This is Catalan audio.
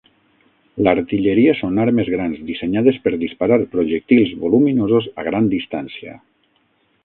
L'"artilleria" són armes grans dissenyades per disparar projectils voluminosos a gran distància.